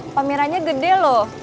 pamerannya gede loh